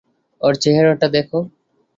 ওর চেহারাটা দেখো।